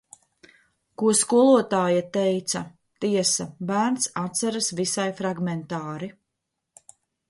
Ko skolotāja teica, tiesa, bērns atceras visai fragmentāri...